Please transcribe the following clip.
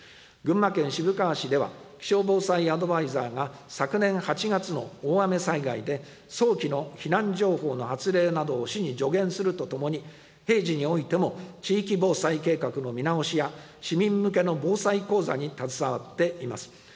群馬県渋川市では、気象防災アドバイザーが昨年８月の大雨災害で、早期の避難情報の発令などを市に助言するとともに、平時においても、地域防災計画の見直しや、市民向けの防災講座に携わっています。